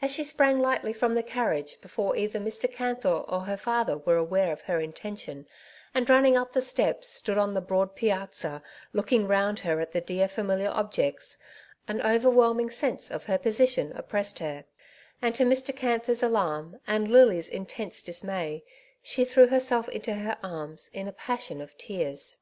As she sprang lightly from the carriage, before either Mr. Canthor or her father were aware of her intention, and running up the steps stood on \ 214 " Two Sides to every Question^* the broad piazza, looking ronnd her at the dear familiar objects, an overwhelming sense of her position oppressed her; and to Mr. Canthor's alarm, and Lily's intense dismay, she threw herself into her arms in a passion of tears.